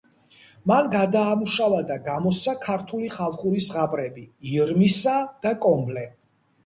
მან გადაამუშავა და გამოსცა ქართული ხალხური ზღაპრები „ირმისა“ და „კომბლე“.